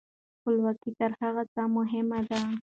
خپلواکي تر هر څه مهمه ده.